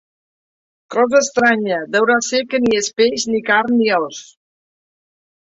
Cosa estranya deurà ser, que ni es peix, ni carn, ni os.